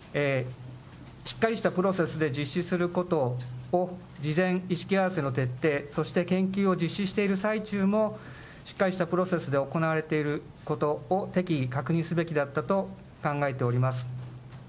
たとえ役割分担としてお願いしていた部分でありましても、しっかりしたプロセスで実施することを事前、意識合わせの徹底、そして研究を実施している最中も、しっかりしたプロセスで行われていることを適宜確認すべきだったと考えております。